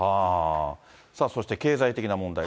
さあそして、経済的な問題。